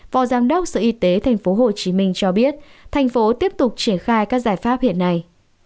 võ giám đốc sở y tế thành phố hồ chí minh cho biết thành phố tiếp tục triển khai các giải pháp hiện nay